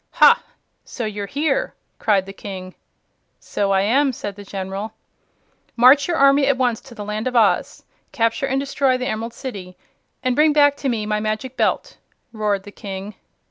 "Ha! So you're here!" cried the King. "So I am," said the General. "March your army at once to the Land of Oz, capture and destroy the Emerald City, and bring back to me my Magic Belt!" roared the King.